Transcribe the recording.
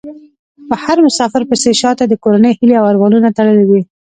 په هر مسافر پسې شا ته د کورنۍ هيلې او ارمانونه تړلي دي .